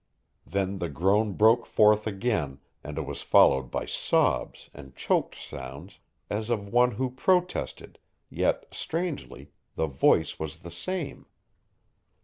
Then the groan broke forth again, and it was followed by sobs and choked sounds, as of one who protested, yet, strangely, the voice was the same.